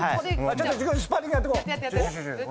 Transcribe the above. ちょっとスパーリングやっとこう。